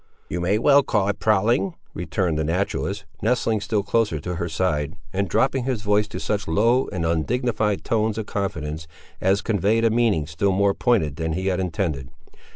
"You may well call it prowling," returned the naturalist, nestling still closer to her side, and dropping his voice to such low and undignified tones of confidence, as conveyed a meaning still more pointed than he had intended.